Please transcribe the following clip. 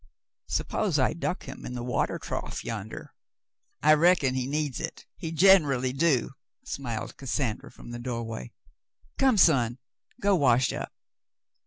"Suppose I duck him in the water trough yonder.^" "I reckon he needs it. He generally do," smiled Cas sandra from the doorway. "Come, son, go wash up."